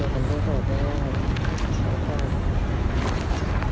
กลับไป